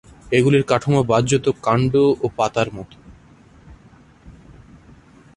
এগুলির কাঠামো বাহ্যত কান্ড ও পাতার মতো।